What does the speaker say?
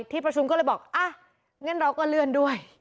ที่ประชุมก็เลยบอกอ่ะงั้นเราก็เลื่อนด้วย